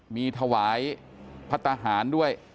มีถวายพระทหารด้วย